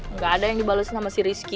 nggak ada yang dibalesin sama si rizky